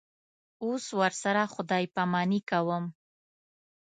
اوس ورسره خدای پاماني کوم.